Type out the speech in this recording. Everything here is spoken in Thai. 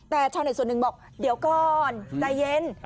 แต่ชาวเน็ตส่วนหนึ่งบอกเดี๋ยวก่อนใจเย็น